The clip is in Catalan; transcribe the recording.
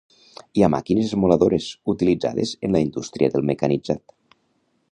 Hi ha màquines esmoladores, utilitzades en la indústria del mecanitzat.